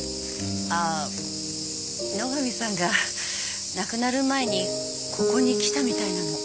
ああ野上さんが亡くなる前にここに来たみたいなの。